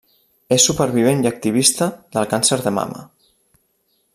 És supervivent i activista del càncer de mama.